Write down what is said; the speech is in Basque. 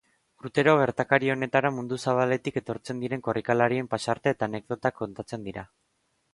Urtero gertakari honetara mundu zabaletik etortzen diren korrikalarien pasarte eta anekdotak kontatzen dira.